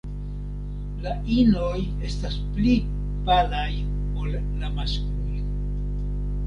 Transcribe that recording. La inoj estas pli palaj ol la maskloj.